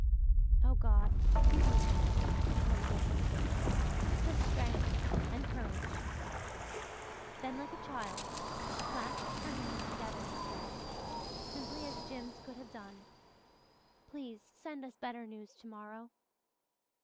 "Oh God, give me strength," Rilla whispered. "Just strength and courage." Then like a child she clasped her hands together and said, as simply as Jims could have done, "Please send us better news tomorrow."